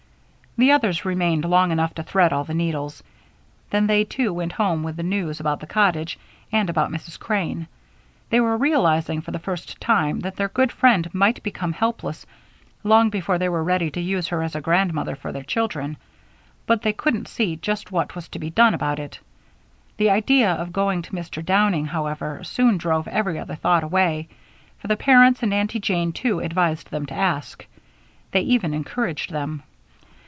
The others remained long enough to thread all the needles. Then they, too, went home with the news about the cottage and about Mrs. Crane. They were realizing, for the first time, that their good friend might become helpless long before they were ready to use her as a grandmother for their children, but they couldn't see just what was to be done about it. The idea of going to Mr. Downing, however, soon drove every other thought away, for the parents and Aunty Jane, too, advised them to ask. They even encouraged them.